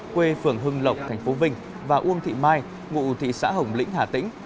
quê phường hưng lộc tp vinh và uông thị mai ngụ thị xã hồng lĩnh hà tĩnh